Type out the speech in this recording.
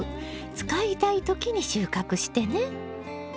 使いたいときに収穫してね！